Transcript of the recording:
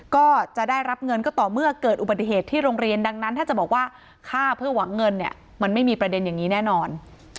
ก็จะได้รับเงินก็ต่อเมื่อเกิดอุบัติเหตุที่โรงเรียนดังนั้นถ้าจะบอกว่าฆ่าเพื่อหวังเงินเนี่ยมันไม่มีประเด็นอย่างนี้แน่นอน